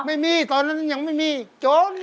ไม่มีตอนนั้นยังไม่มีอีกจน